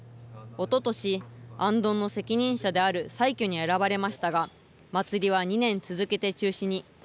おととし、行燈の責任者である裁許に選ばれましたが、祭りは２年続けて中止に。